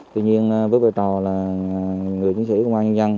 tuy nhiên với vai trò là người chiến sĩ công an nhân dân